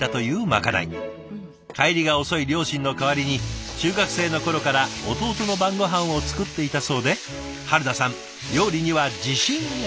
帰りが遅い両親の代わりに中学生の頃から弟の晩ごはんを作っていたそうで春菜さん料理には自信あり。